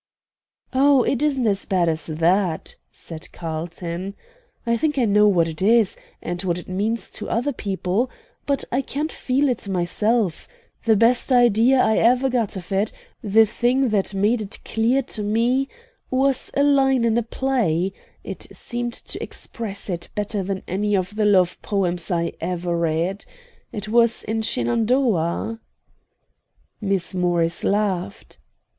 "Oh, it isn't as bad as that," said Carlton. "I think I know what it is, and what it means to other people, but I can't feel it myself. The best idea I ever got of it the thing that made it clear to me was a line in a play. It seemed to express it better than any of the love poems I ever read. It was in Shenandoah." Miss Morris laughed.